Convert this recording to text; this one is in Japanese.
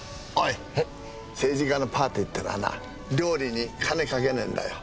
政治家のパーティーってのはな料理に金かけねえんだよ。